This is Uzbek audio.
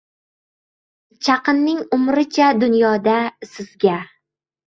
Chaqinning umricha dunyoda, sizga –